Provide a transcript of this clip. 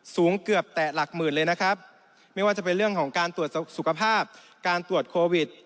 สูงเกือบแต่หลักหมื่นเลยนะครับไม่ว่าจะเป็นเรื่องของการตรวจสุขภาพการตรวจโควิด